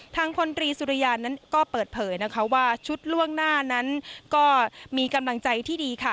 พลตรีสุริยานั้นก็เปิดเผยนะคะว่าชุดล่วงหน้านั้นก็มีกำลังใจที่ดีค่ะ